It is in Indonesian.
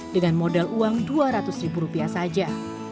dengan modal uang dua ratus ribu rupiah saja